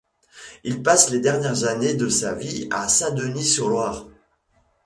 Il passe les dernières années de sa vie à Saint-Denis-sur-Loire.